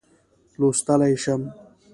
لوستلای شم.